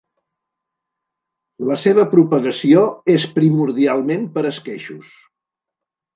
La seva propagació és primordialment per esqueixos.